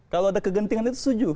kalau ada kegentingan itu setuju